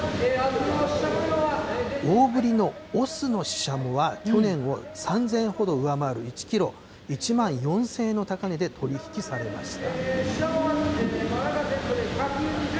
大ぶりの雄のししゃもは、去年を３０００円ほど上回る１キロ１万４０００円の高値で取り引きされました。